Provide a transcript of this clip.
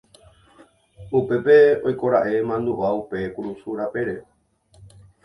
Upépe oikoraẽ mandu'a upe kurusu rapére